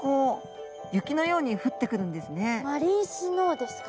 マリンスノーですか？